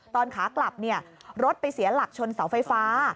ตอนขากลับรถไปเสียหลักชนเสาไฟฟ้า